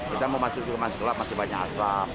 kita mau masuk kemas gelap masih banyak asap